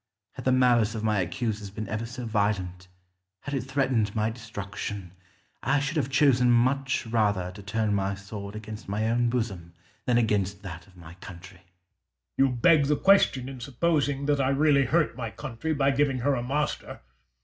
Had the malice of my accusers been ever so violent, had it threatened my destruction, I should have chosen much rather to turn my sword against my own bosom than against that of my country. Caesar. You beg the question in supposing that I really hurt my country by giving her a master.